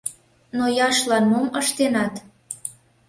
Нояшлан мом ыштенат?